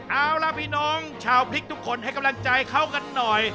เอาล่ะพี่น้องชาวพริกทุกคนให้กำลังใจเขากันหน่อย